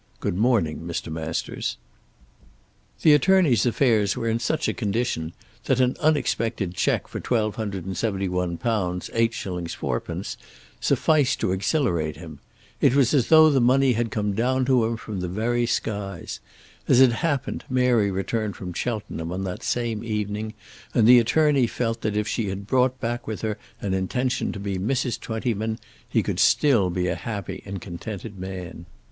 Good morning, Mr. Masters." The attorney's affairs were in such a condition that an unexpected cheque for £127 8_s._ 4_d._ sufficed to exhilarate him. It was as though the money had come down to him from the very skies. As it happened Mary returned from Cheltenham on that same evening and the attorney felt that if she had brought back with her an intention to be Mrs. Twentyman he could still be a happy and contented man.